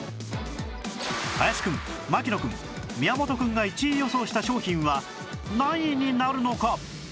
林くん槙野くん宮本くんが１位予想した商品は何位になるのか？